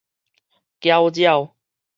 攪擾